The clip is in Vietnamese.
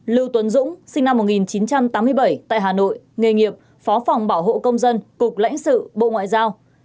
lưu tuấn dũng sinh năm một nghìn chín trăm tám mươi bảy tại hà nội nghề nghiệp phó phòng bảo hộ công dân cục lãnh sự bộ ngoại giao